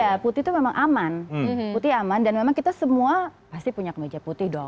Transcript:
ya putih itu memang aman putih aman dan memang kita semua pasti punya kemeja putih dong